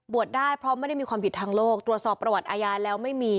ได้เพราะไม่ได้มีความผิดทางโลกตรวจสอบประวัติอาญาแล้วไม่มี